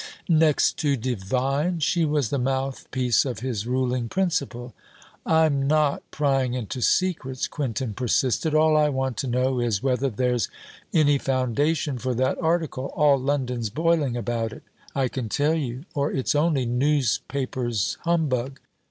Next to divine! She was the mouthpiece of his ruling principle. 'I 'm not, prying into secrets,' Quintin persisted; 'all I want to know is, whether there 's any foundation for that article all London's boiling about it, I can tell you or it's only newspaper's humbug.'